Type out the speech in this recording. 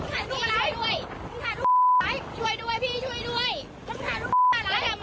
หรืองท่าล่วนไลก์